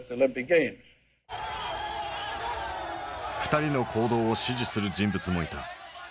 ２人の行動を支持する人物もいた。